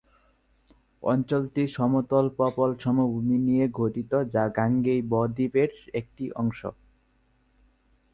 অঞ্চলটি সমতল পলল সমভূমি নিয়ে গঠিত যা গাঙ্গেয় ব-দ্বীপএর একটি অংশ।